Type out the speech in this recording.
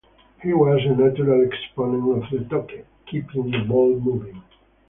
He was a natural exponent of 'toque', keeping the ball moving.